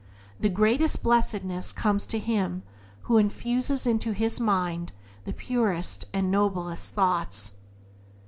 The greatest blessedness comes to him, who infuses into his mind the purest and noblest thoughts.